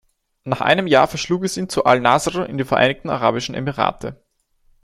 Nach einem Jahr verschlug es ihn zu Al-Nasr in die Vereinigten Arabischen Emirate.